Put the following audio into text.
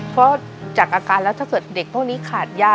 เพราะจากอาการแล้วถ้าเกิดเด็กพวกนี้ขาดยา